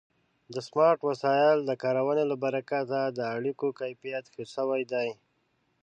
د سمارټ وسایلو د کارونې له برکته د اړیکو کیفیت ښه شوی دی.